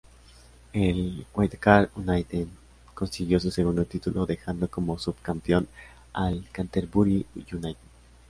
El Waitakere United consiguió su segundo título dejando como subcampeón al Canterbury United.